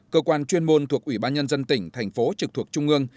cơ quan chuyên môn thuộc ủy ban nhân dân tỉnh thành phố trực thuộc trung ương